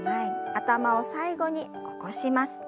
頭を最後に起こします。